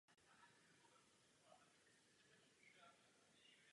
S růstem Byzantské říše se rozrůstal i Konstantinopol a jeho okolí.